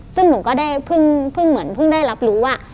ซึ่งหนูก็ได้เพิ่งเหมือนเพิ่งได้รับรู้ว่า